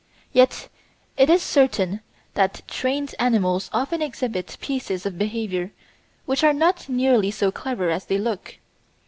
Yet it is certain that trained animals often exhibit pieces of behaviour which are not nearly so clever as they look.